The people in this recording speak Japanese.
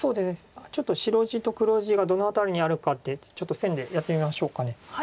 ちょっと白地と黒地がどの辺りにあるかってちょっと線でやってみましょうか。